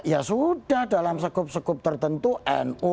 ya sudah dalam sekup sekup tertentu nu